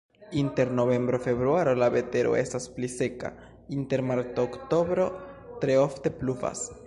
Inter novembro-februaro la vetero estas pli seka, inter marto-oktobro tre ofte pluvas.